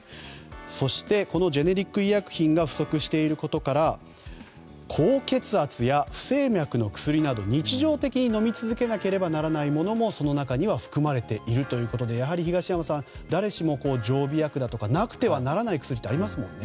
そしてこのジェネリック医薬品が不足していることから高血圧や不整脈の薬など日常的に飲み続けなければいけないものもその中には含まれているということでやはり、東山さん誰しも常備薬だとかなくてはならない薬ってありますもんね。